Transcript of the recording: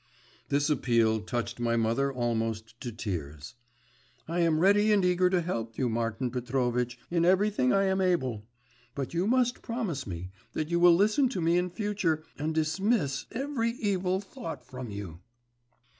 This appeal touched my mother almost to tears. 'I am ready and eager to help you, Martin Petrovitch, in everything I am able. But you must promise me that you will listen to me in future and dismiss every evil thought from you.